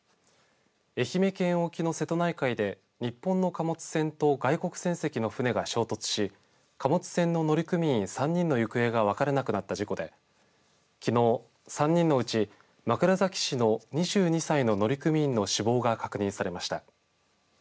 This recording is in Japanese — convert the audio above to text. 愛媛県沖の瀬戸内海で日本の貨物船と外国船籍の船が衝突し貨物貨物船の乗組員３人の行方が分からなくなった事故できのう３人のうち、枕崎市の２２歳の乗組員の死亡が確認されました。